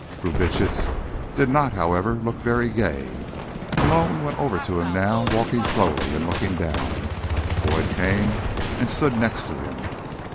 Brubitsch did not, however, look very gay. Malone went over to him now, walking slowly, and looked down. Boyd came and stood next to him.